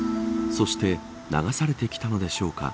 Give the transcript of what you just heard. そして流されてきたのでしょうか。